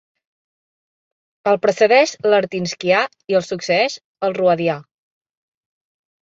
El precedeix l'Artinskià i el succeeix el Roadià.